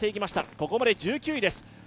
ここまで１９位です。